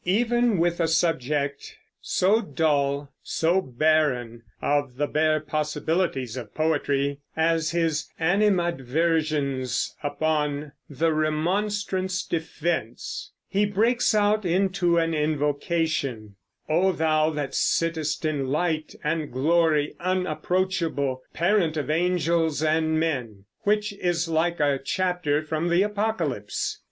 Even with a subject so dull, so barren of the bare possibilities of poetry, as his "Animadversions upon the Remonstrants' Defense," he breaks out into an invocation, "Oh, Thou that sittest in light and glory unapproachable, parent of angels and men," which is like a chapter from the Apocalypse.